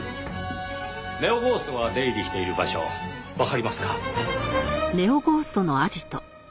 ネオゴーストが出入りしている場所わかりますか？